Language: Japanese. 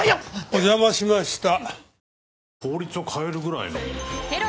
お邪魔しました。